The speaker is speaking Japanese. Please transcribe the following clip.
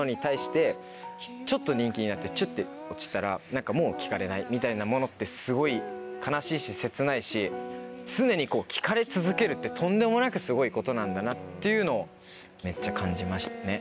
ちょっと人気になってちょっと落ちたらもう聴かれないみたいなものってすごい悲しいし切ないし。ってとんでもなくすごいことなんだなっていうのをめっちゃ感じましたね。